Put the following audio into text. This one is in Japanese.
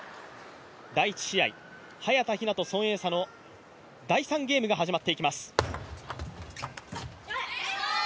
第１試合、早田ひなと孫エイ莎さの第３ゲームが始まっていきます。